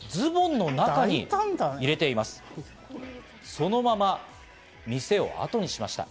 そのまま店をあとにしました。